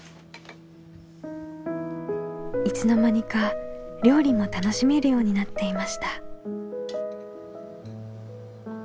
いつの間にか料理も楽しめるようになっていました。